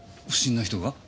不審な人が？